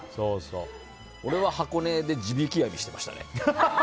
俺は箱根で地引網してましたね。